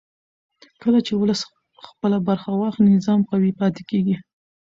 کله چې ولس خپله برخه واخلي نظام قوي پاتې کېږي